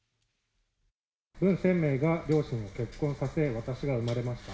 文鮮明が両親を結婚させ、私が生まれました。